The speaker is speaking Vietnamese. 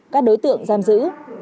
các đối tượng giam giữ